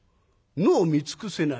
野を見尽くせない。